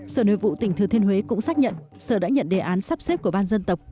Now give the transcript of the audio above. sở nội vụ tỉnh thừa thiên huế cũng xác nhận sở đã nhận đề án sắp xếp của ban dân tộc